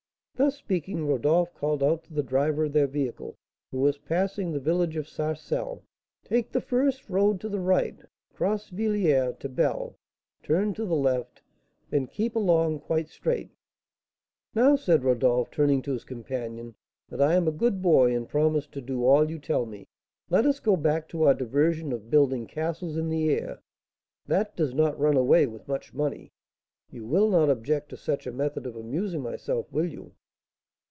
Thus speaking, Rodolph called out to the driver of their vehicle, who was passing the village of Sarcelles, "Take the first road to the right, cross Villiers to Bel, turn to the left, then keep along quite straight." "Now," said Rodolph, turning to his companion, "that I am a good boy, and promised to do all you tell me, let us go back to our diversion of building castles in the air: that does not run away with much money. You will not object to such a method of amusing myself, will you?"